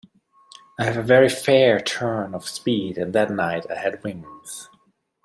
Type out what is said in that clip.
I have a very fair turn of speed, and that night I had wings.